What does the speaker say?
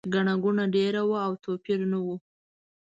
ګڼه ګوڼه ډېره وه او توپیر نه و.